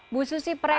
bu susi perekrutan